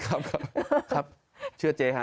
ครับครับเชื่อเจ๊ฮะ